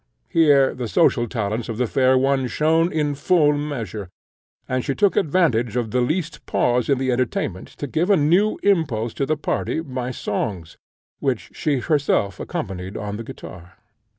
Here the social talents of the fair one shone in full measure, and she took advantage of the least pause in the entertainment to give a new impulse to the party by songs, which she herself accompanied on the guitar.